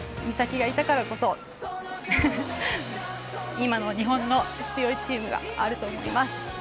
美沙紀がいたからこそ今の日本の強いチームがあると思います。